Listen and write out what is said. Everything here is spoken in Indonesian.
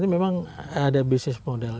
memang ada bisnis model